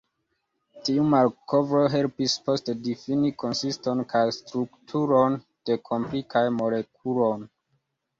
Tiu malkovro helpis poste difini konsiston kaj strukturon de komplikaj molekuloj.